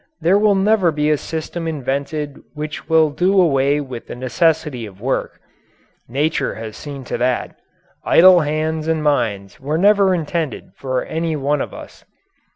There will never be a system invented which will do away with the necessity of work. Nature has seen to that. Idle hands and minds were never intended for any one of us.